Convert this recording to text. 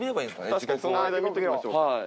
確かにその間見ときましょう。